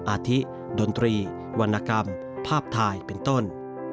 อาทิดนตรีวรรณกรรมภาพถ่ายเป็นต้น